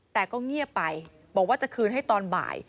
แต่ก็เงียบไปบอกว่าจะคืนให้ตอนบ่าย